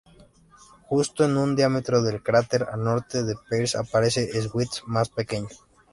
Justo a un diámetro del cráter al norte de Peirce aparece Swift, más pequeño.